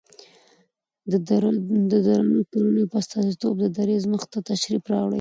د درنو کورنيو په استازيتوب د دريځ مخې ته تشریف راوړي